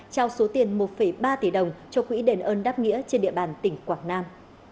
trao số tiền một ba tỷ đồng cho quỹ đền ơn đáp nghĩa trên địa bàn tỉnh quảng nam